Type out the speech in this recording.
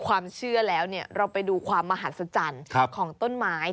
ความเชื่อแล้วเราไปดูความมหัศจรรย์ของต้นไม้